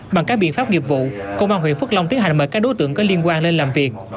bằng các biện pháp nghiệp vụ công an huyện phước long tiến hành mời các đối tượng có liên quan lên làm việc